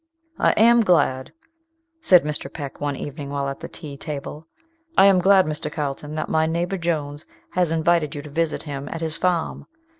"I am glad," said Mr. Peck, one evening while at the tea table, "I am glad, Mr. Carlton, that my neighbour Jones has invited you to visit him at his farm.